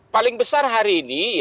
paling besar hari ini